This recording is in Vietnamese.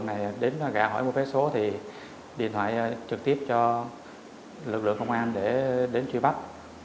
trinh sát tổ chức lực lượng lấy thông tin từ những người bán vé số thì điện thoại trực tiếp cho lực lượng công an để đến truy bắt